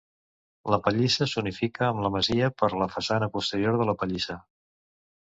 La pallissa s'unificà amb la masia per la façana posterior de la pallissa.